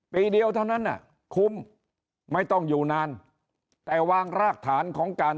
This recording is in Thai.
ปีเดียวเท่านั้นอ่ะคุ้มไม่ต้องอยู่นานแต่วางรากฐานของการ